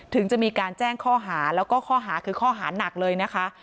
ถึงจะมีการแจ้งข้อหาแล้วก็ข้อหาคือข้อหานักเลยนะคะ